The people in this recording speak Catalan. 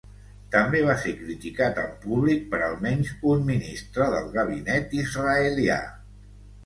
També va ser criticat en públic per almenys un ministre del gabinet israelià.